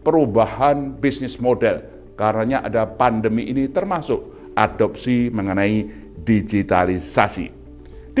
perubahan bisnis model karena ada pandemi ini termasuk adopsi mengenai digitalisasi di